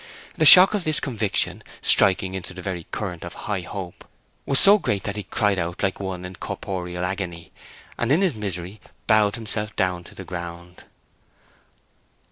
The shock of this conviction, striking into the very current of high hope, was so great that he cried out like one in corporal agony, and in his misery bowed himself down to the ground.